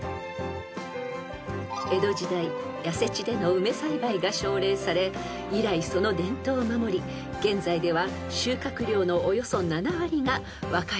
［江戸時代痩せ地での梅栽培が奨励され以来その伝統を守り現在では収穫量のおよそ７割が和歌山県産なんだそうです］